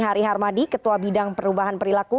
hariharmadi ketua bidang perubahan perilaku